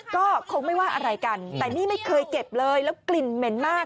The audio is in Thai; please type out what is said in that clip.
ก็คงไม่ว่าอะไรกันแต่นี่ไม่เคยเก็บเลยแล้วกลิ่นเหม็นมาก